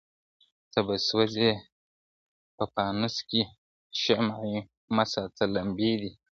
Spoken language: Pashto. ته به سوځې په پانوس کي شمعي مه ساته لمبې دي ,